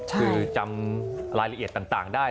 คือจำรายละเอียดต่างได้